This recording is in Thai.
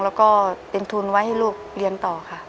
แล้วก็เป็นทุนไว้ให้ลูกเรียนต่อค่ะ